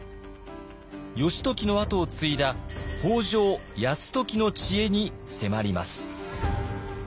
義時の跡を継いだ北条泰時の知恵に迫ります。